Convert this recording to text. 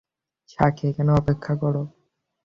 সাক্ষী, এখানে অপেক্ষা কর।